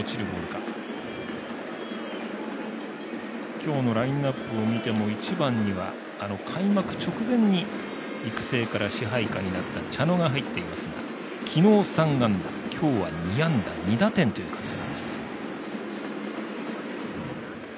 今日のラインナップを見ても１番には開幕直前に育成から支配下になった茶野が入っていますが昨日、３安打今日は２安打２打点という活躍。